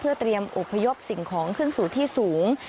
เตรียมอบพยพสิ่งของขึ้นสู่ที่สูง